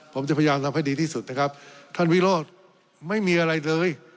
ผมจะพยายามทำให้ดีที่สุดนะครับท่านวิโรธไม่มีอะไรเลย